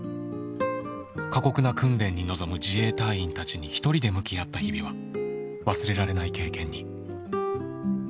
過酷な訓練に臨む自衛隊員たちに一人で向き合った日々は忘れられない経験に。